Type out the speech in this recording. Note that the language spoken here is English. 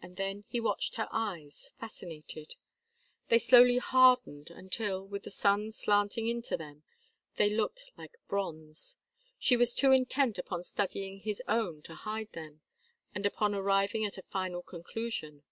And then he watched her eyes, fascinated. They slowly hardened, until, with the sun slanting into them, they looked like bronze. She was too intent upon studying his own to hide them, and upon arriving at a final conclusion.